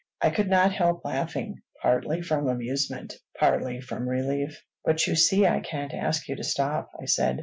I could not help laughing, partly from amusement, partly from relief. "But you see I can't ask you to stop," I said.